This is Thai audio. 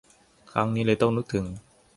ครั้งนี้เลยต้องนึกถึง